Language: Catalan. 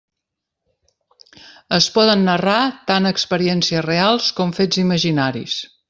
Es poden narrar tant experiències reals com fets imaginaris.